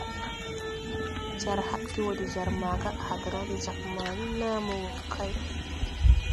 Jar hadgen wɔ de jar maga à had raa de jag mani naa mo wɔ mokay.